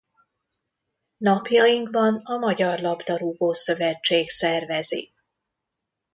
Napjainkban a Magyar Labdarúgó-szövetség szervezi.